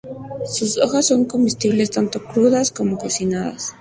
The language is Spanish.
Sus hojas son comestibles, tanto crudas como cocinadas.